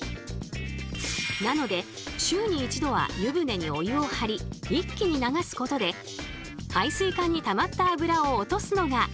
なので週に１度は湯船にお湯をはり一気に流すことで排水管にたまったあぶらを落とすのがオススメとのこと。